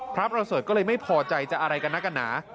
พระประเสริฐก็เลยไม่พอใจจะอะไรกันนักกันหนา